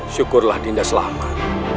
syukurlah dinda selamat